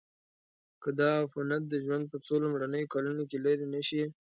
که دا عفونت د ژوند په څو لومړنیو کلونو کې لیرې نشي.